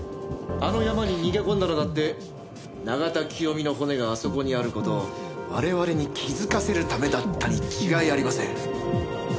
あの山に逃げ込んだのだって永田清美の骨があそこにある事を我々に気づかせるためだったに違いありません。